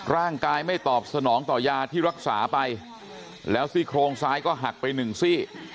ร่างกายไม่ตอบสนองต่อยาที่รักษาไปแล้วซี่โครงซ้ายก็หักไปหนึ่งซี่